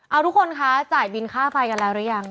เอาทุกคนคะจ่ายบินค่าไฟกันแล้วหรือยัง